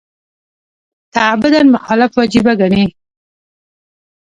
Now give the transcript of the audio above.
تعبداً مخالفت وجیبه ګڼي.